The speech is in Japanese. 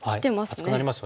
厚くなりますよね。